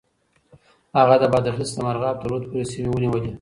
هغه د بادغيس څخه د مرغاب تر رود پورې سيمې ونيولې.